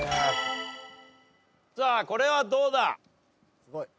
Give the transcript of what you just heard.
さあこれはどうだ？